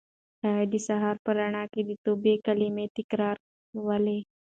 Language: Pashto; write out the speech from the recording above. هغې د سهار په رڼا کې د توبې کلمې تکرارولې.